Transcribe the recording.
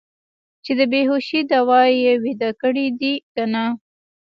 چې د بې هوشۍ دوا یې ویده کړي دي که نه.